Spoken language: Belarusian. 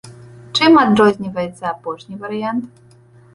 Чым адрозніваецца апошні варыянт?